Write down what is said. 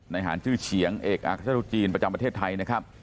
หารชื่อเฉียงเอกอักษรุจีนประจำประเทศไทยนะครับ